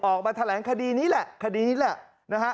ออกมาแถลงคดีนี้แหละคดีนี้แหละนะฮะ